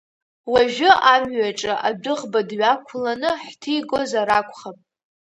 Уажәы амҩаҿы адәыӷба дҩақәланы ҳҭигозар акәхап.